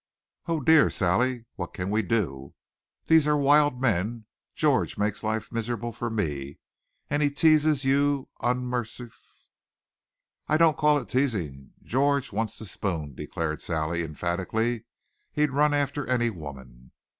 "Oh, dear. Sally, what can we do? These are wild men. George makes life miserable for me. And he teases you unmer..." "I don't call it teasing. George wants to spoon," declared Sally emphatically. "He'd run after any woman."